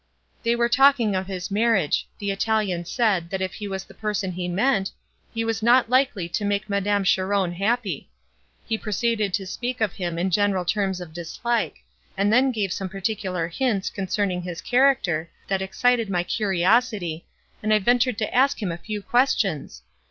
They were talking of his marriage; the Italian said, that if he was the person he meant, he was not likely to make Madame Cheron happy. He proceeded to speak of him in general terms of dislike, and then gave some particular hints, concerning his character, that excited my curiosity, and I ventured to ask him a few questions.